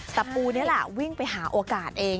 ปูนี่แหละวิ่งไปหาโอกาสเอง